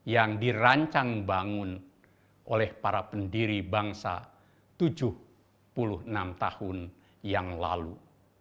yang dirancang bangun oleh para pendiri bangsa tujuh puluh enam tahun yang lalu